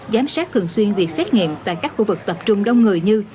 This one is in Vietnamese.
giám sát thường xuyên việc xét nghiệm tại các khu vực tập trung đông người như